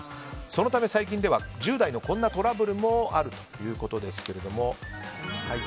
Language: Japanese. そのため、最近では１０代のこんなトラブルもあるということです。